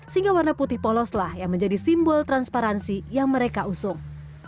sehingga warna putih poloslah yang menjadi simbol transparansi yang mereka usung